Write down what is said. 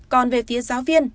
còn về phía giáo viên